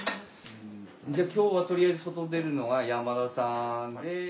じゃあ今日はとりあえず外出るのが山田さんで。